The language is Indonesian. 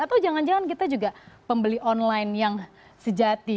atau jangan jangan kita juga pembeli online yang sejati